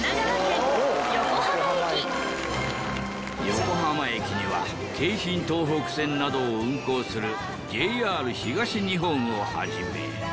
横浜駅には京浜東北線などを運行するＪＲ東日本を始め。